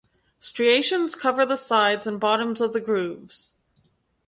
Striations cover the sides and bottoms of the grooves.